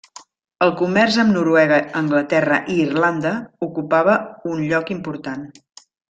El comerç amb Noruega, Anglaterra i Irlanda ocupava un lloc important.